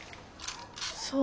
そう。